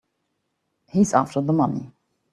He's after the money.